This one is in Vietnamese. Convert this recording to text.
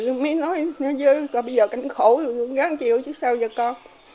rồi mới nói bây giờ cảnh khổ gắn chịu chứ sao giờ con